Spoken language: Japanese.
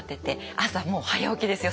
朝もう早起きですよ。